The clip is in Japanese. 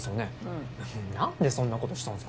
うん何でそんなことしたんすか？